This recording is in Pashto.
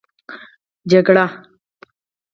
جگړه